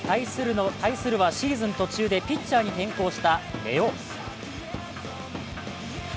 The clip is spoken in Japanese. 対するのはシーズン途中でピッチャーに転向した根尾。